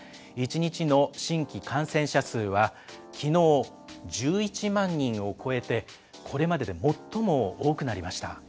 １日の新規感染者数は、きのう１１万人を超えて、これまでで最も多くなりました。